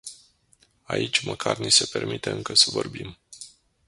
Aici măcar ni se permite încă să vorbim.